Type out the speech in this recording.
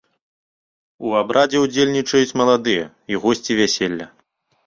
У абрадзе ўдзельнічаюць маладыя і госці вяселля.